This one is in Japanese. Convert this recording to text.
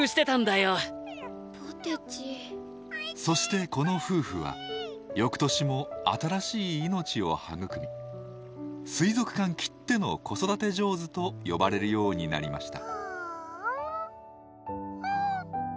そしてこの夫婦は翌年も新しい命を育み水族館きっての子育て上手と呼ばれるようになりました。